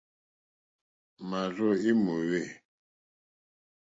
Mârzô í mòwê.